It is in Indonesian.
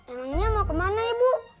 emangnya mau kemana ibu